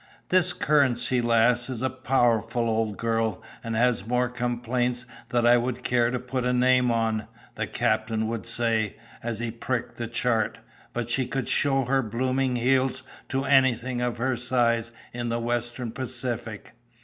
"This Currency Lass is a powerful old girl, and has more complaints than I would care to put a name on," the captain would say, as he pricked the chart; "but she could show her blooming heels to anything of her size in the Western Pacific."